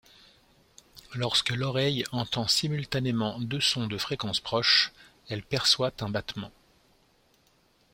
Lorsque l'oreille entend simultanément deux sons de fréquences proches, elle perçoit un battement.